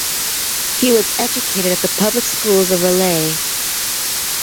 He was educated at the public schools of Raleigh.